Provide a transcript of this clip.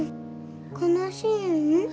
悲しいん？